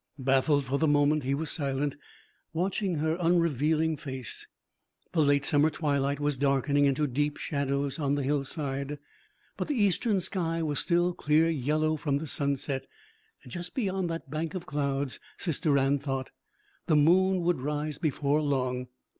Baffled for the moment, he was silent, watching her unrevealing face. The late summer twilight was darkening into deep shadows on the hillside, but the eastern sky was still clear yellow from the sunset. Just beyond that bank of clouds, Sister Anne thought, the moon would rise before long.